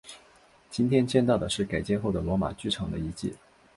今天见到的是改建后的罗马剧场的遗迹。